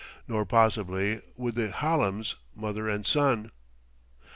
Nor, possibly, would the Hallams, mother and son.